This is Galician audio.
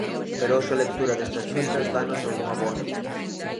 Pero hoxe a lectura destas cifras dános algunha boa noticia.